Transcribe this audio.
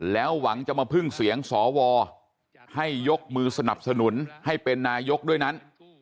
แล้วหวังจะมาพึ่งเสียงสวให้ยกมือสนับสนุนให้เป็นนายกด้วยนั้น